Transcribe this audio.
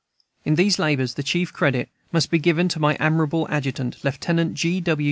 In these labors the chief credit must be given to my admirable Adjutant, Lieutenant G.